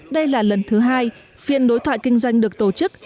đây là lần thứ hai phiên đối thoại kinh doanh được tổ chức